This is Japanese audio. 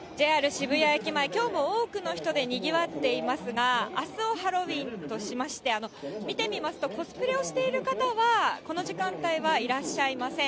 渋谷駅前、きょうも多くの人でにぎわっていますが、あすをハロウィーンとしまして、見てみますと、コスプレをしている方は、この時間帯はいらっしゃいません。